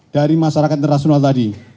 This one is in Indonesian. dari masyarakat internasional tadi